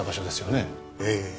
ええ。